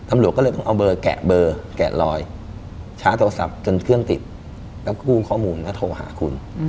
ตำรวจก็เลยต้องเอาเบอร์แกะเบอร์แกะลอยชาร์จโทรศัพท์จนเครื่องติดแล้วก็กู้ข้อมูลแล้วโทรหาคุณ